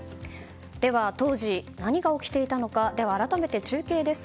では当時、何が起きていたのか改めて中継です。